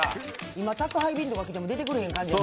今宅配便とか来ても出てくれへん感じ。